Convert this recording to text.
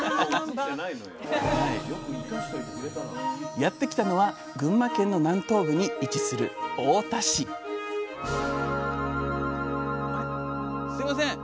やって来たのは群馬県の南東部に位置する太田市すみません。